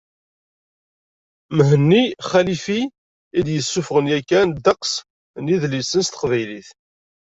Mhenni Xalifi, i d-yessuffɣen yakan ddeqs n yidlisen s teqbaylit.